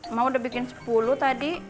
mau udah bikin sepuluh tadi